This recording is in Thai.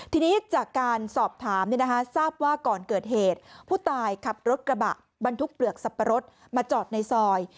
ทีนี้จากการสอบถามทราบว่าก่อนเกิดเหตุผู้ตายขับรถกระบะบรรทุกเปลือกสับปะรดมาจอดในซอย